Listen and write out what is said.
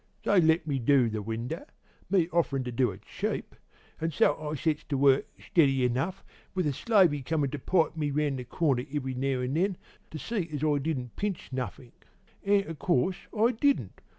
"'They let me do the winder me offerin' to do it cheap an' so I sets to work steady enough, with a slavey comin' to pipe me round the corner every now an' then, to see as I didn't pinch nothink. An' o' course I didn't.